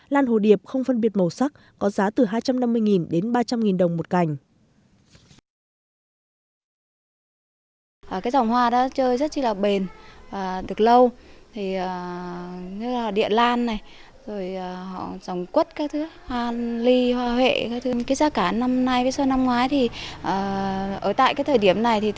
lan hồ điệp không phân biệt màu sắc có giá từ hai trăm năm mươi đồng đến ba trăm linh đồng một cành